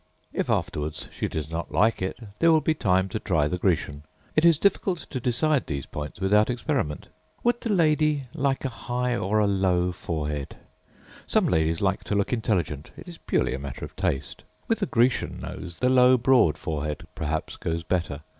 If afterwards she does not like it, there will be time to try the Grecian. It is difficult to decide these points without experiment. Would the lady like a high or a low forehead? Some ladies like to look intelligent. It is purely a matter of taste. With the Grecian nose, the low broad forehead perhaps goes better.